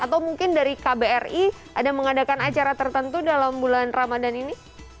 atau mungkin dari kbri ada mengadakan acara tertentu dalam bulan ramadhan ini